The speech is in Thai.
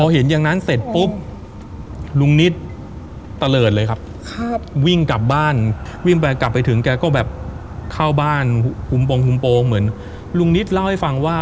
หุ่มโปรงเหมือนลุงนิดเล่าให้ฟังว่า